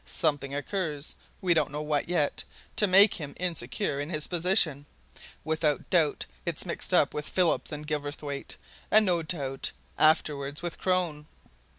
Something occurs we don't know what, yet to make him insecure in his position; without doubt, it's mixed up with Phillips and Gilverthwaite, and no doubt, afterwards, with Crone.